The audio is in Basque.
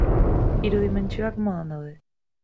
Hiru dimentsioak modan daude.